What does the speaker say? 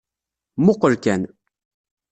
Mmuqqel kan.